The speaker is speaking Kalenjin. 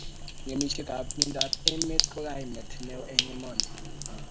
Ng'emisiet ab miendap emet ko kaimet neo eng emonii